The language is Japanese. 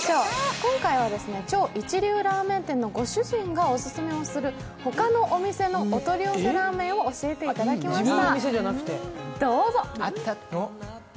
今回は超一流ラーメン店のご主人がオススメをするほかのお店のお取り寄せラーメンを教えていただきました。